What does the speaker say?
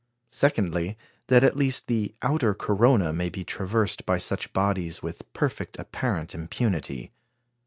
Secondly, that at least the outer corona may be traversed by such bodies with perfect apparent impunity.